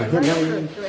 rồi thế nào